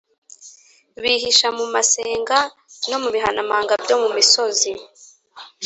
bihisha mu masenga no mu bihanamanga byo mu misozi